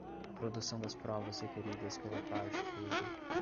a produção das provas requeridas pela parte cujo